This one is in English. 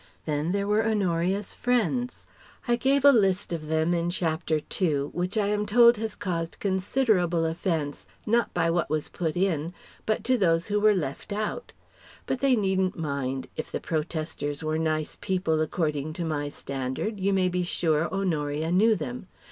Then there were Honoria's friends. I gave a sort of list of them in Chapter II which I am told has caused considerable offence, not by what was put in but to those who were left out. But they needn't mind: if the protesters were nice people according to my standard, you may be sure Honoria knew them.